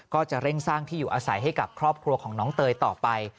ก็จะเร่งสร้างที่อยู่อาศัยให้กับครอบครัวของน้องเตยต่อไป